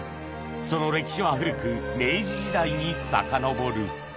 その歴史は古く明治時代にさかのぼる